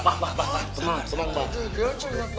pak pak pak tenang tenang pak